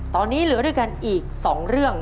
ตอนนี้เหลือด้วยกันอีก๒เรื่อง